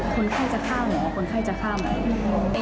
คนไข้จะฆ่าหมอคนไข้จะฆ่าเหมือนกัน